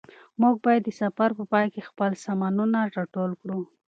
موږ باید د سفر په پای کې خپل سامانونه راټول کړو.